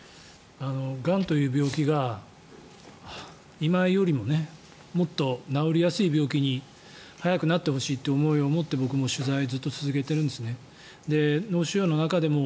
がんという病気が今よりももっと治りやすい病気に早くなってほしいという思いを持って僕も取材をずっと続けているんですね。